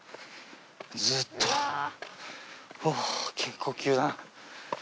ずっとおぉ結構急だな。